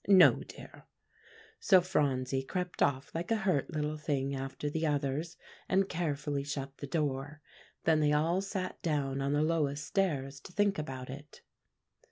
"No, dear." So Phronsie crept off like a hurt little thing after the others, and carefully shut the door. Then they all sat down on the lowest stairs to think about it.